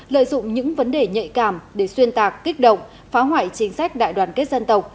lợi dụng những vấn đề nhạy cảm để xuyên tạc kích động phá hoại chính sách đại đoàn kết dân tộc